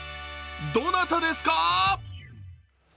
どなたですか！